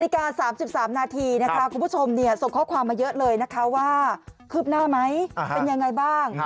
นาฬิกา๓๓นาทีนะคะคุณผู้ชมส่งข้อความมาเยอะเลยนะคะว่าคืบหน้าไหมเป็นยังไงบ้าง